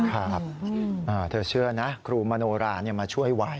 ครับเธอเชื่อนะครูมโนรามาช่วยไว้